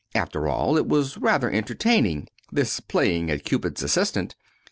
After all, it was rather entertaining this playing at Cupid's assistant.